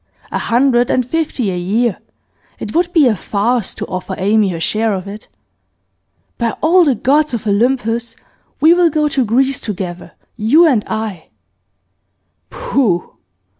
A hundred and fifty a year; it would be a farce to offer Amy her share of it. By all the gods of Olympus, we will go to Greece together, you and I!' 'Pooh!